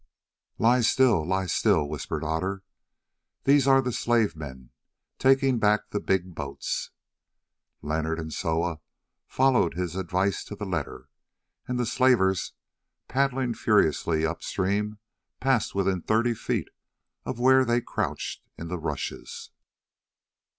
"Lie still, lie still," whispered Otter, "these are the slave men taking back the big boats." Leonard and Soa followed his advice to the letter, and the slavers, paddling furiously up stream, passed within thirty feet of where they crouched in the rushes.